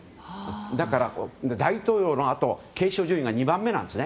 だから大統領のあと継承順位が２番目なんです。